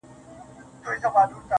o د سترگو تور مي د ايستو لائق دي.